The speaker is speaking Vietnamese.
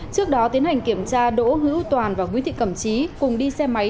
trước đó tiến hành kiểm tra đỗ hữu toàn và nguyễn thị cẩm trí cùng đi xe máy